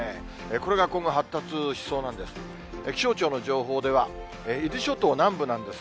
これが今後発達しそうなんです。